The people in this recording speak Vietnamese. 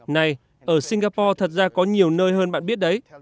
này ở singapore thật ra có nhiều nơi hơn bạn biết đấy